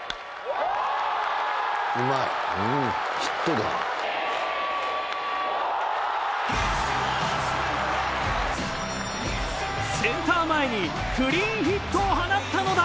そしてセンター前にクリーンヒットを放ったのだ！